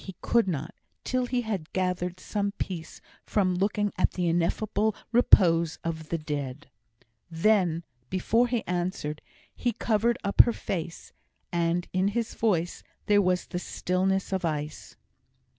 He could not, till he had gathered some peace from looking at the ineffable repose of the Dead. Then, before he answered, he covered up her face; and in his voice there was the stillness of ice.